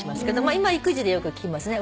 今育児でよく聞きますね。